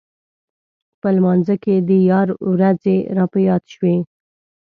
په لمانځه کې د یار ورځې راپه یاد شوې.